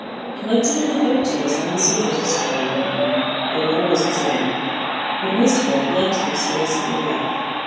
He liked to hear the folk tales one of the soldiers used to tell of an evening (they were always the same), but most of all he liked to hear stories of real life.